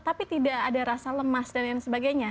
tapi tidak ada rasa lemas dan lain sebagainya